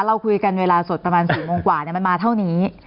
เราคุยกันเวลาสดประมาณ๔โมงกว่ามันมาเท่านี้